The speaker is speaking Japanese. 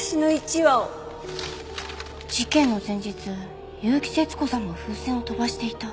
事件の前日結城節子さんも風船を飛ばしていた。